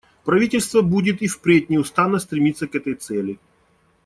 Правительство будет и впредь неустанно стремиться к этой цели.